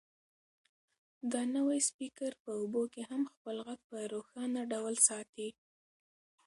دا نوی سپیکر په اوبو کې هم خپل غږ په روښانه ډول ساتي.